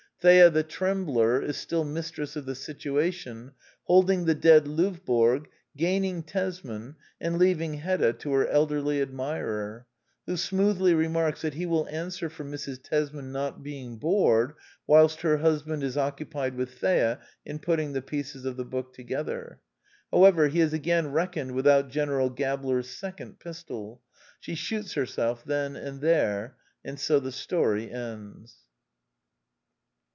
Thea the trembler is still mistress of the situation, holding the dead Lovborg, gain ing Tesman, and leaving Hedda to her elderly admirer, who smoothly remarks that he will answer for Mrs. Tesman not being bored whilst her husband is occupied with Thea in putting the pieces of the book together. However, he has again reckoned without General Gabler*s sec ond pistol. She shoots herself then and there; and so the story ends.